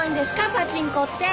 パチンコって。